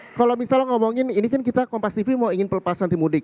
nah kalau misalnya ngomongin ini kan kita kompas tv mau ingin pelepasan tim mudik